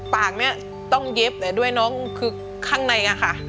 ปากนี้ต้องเย็บแต่ด้วยน้องคือข้างในอะค่ะ